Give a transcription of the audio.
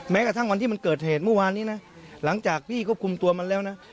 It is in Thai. กระทั่งวันที่มันเกิดเหตุเมื่อวานนี้นะหลังจากพี่ควบคุมตัวมันแล้วนะ